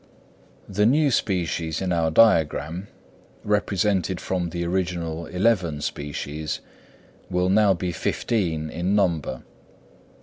The new species in our diagram, descended from the original eleven species, will now be fifteen in number.